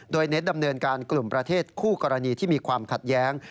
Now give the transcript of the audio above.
โดยเน้นดำเนินการกลุ่มประเทศคู่กรณีที่มีความขัดแย้ง